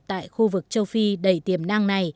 tại khu vực châu phi đầy tiền